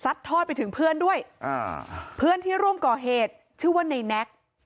ทอดไปถึงเพื่อนด้วยอ่าเพื่อนที่ร่วมก่อเหตุชื่อว่าในแน็ก